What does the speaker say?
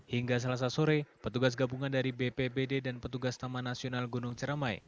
hingga selasa sore petugas gabungan dari bpbd dan petugas taman nasional gunung ceramai